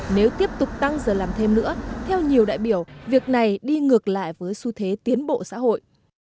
nếu tiếp tục tăng giờ làm thêm nữa theo nhiều đại biểu việc này đi ngược lại với xu thế tiến bộ xã hội